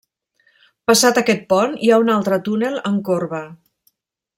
Passat aquest pont hi ha un altre túnel en corba.